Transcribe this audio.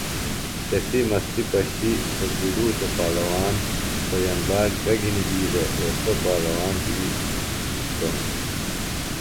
تسی مستی پشیۡ سوۡ گِڈوچوۡ پالواݨ، سوۡ یمباٹ گہ گِھنیۡ بی دےۡ ایسوۡ پالواݨ بِھیتوۡ ہِنوۡ